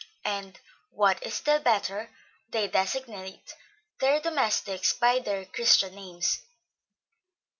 and what is still better, they designate their domestics by their christian names.